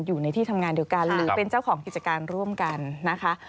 อยู่ในที่ทำงานเดียวกันหรือเป็นเจ้าของกิจการร่วมกันนะคะ